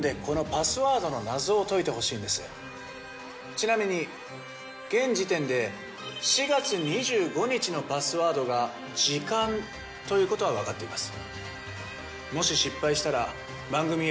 ちなみに現時点で４月２５日のパスワードが「じかん」ということは分かっています。